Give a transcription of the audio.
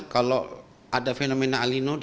kalau ada fenomena el nino